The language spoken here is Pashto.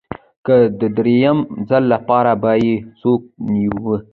که د درېیم ځل لپاره به یې څوک نیوه